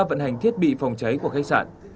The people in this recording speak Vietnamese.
vận hành thiết bị phòng cháy của khách sạn